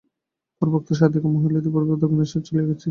পূর্বোক্ত সাধিকা মহিলা ইতঃপূর্বেই দক্ষিণেশ্বর ছাড়িয়া চলিয়া গিয়াছেন।